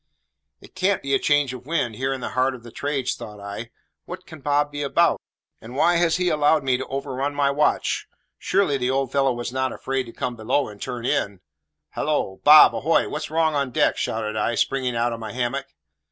"It can't be a change of wind, here in the heart of the trades," thought I. "What can Bob be about? and why has he allowed me to overrun my watch? Surely the old fellow was not afraid to come below and turn in? Hallo! Bob ahoy! what's wrong on deck?" shouted I, springing out of my hammock.